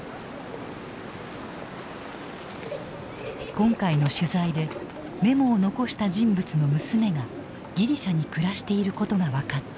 今回の取材でメモを残した人物の娘がギリシャに暮らしていることが分かった。